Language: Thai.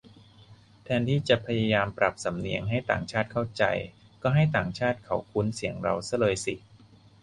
แทนที่จะพยายามปรับสำเนียงให้ต่างชาติเข้าใจ ก็ให้ต่างชาติเขาคุ้นเสียงเราซะเลยสิ